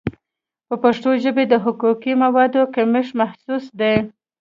په پښتو ژبه د حقوقي موادو کمښت محسوس دی.